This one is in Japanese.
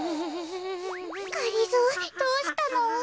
がりぞーどうしたの？